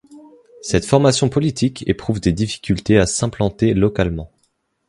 Cette formation politique éprouve des difficultés à s'implanter localement.